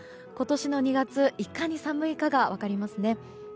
今年の２月いかに寒いかが分かりますね。